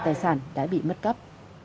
tài sản đã bị mất cấp